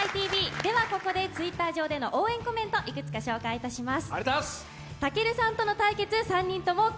ではここでＴｗｉｔｔｅｒウエでの応援コメント、いくつかご紹介します。